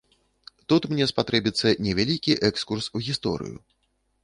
Тут мне спатрэбіцца невялікі экскурс у гісторыю.